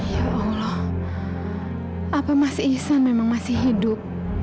ya allah apa mas ihsan memang masih hidup